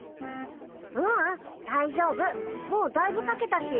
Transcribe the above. ううん大丈夫もうだいぶかけたし。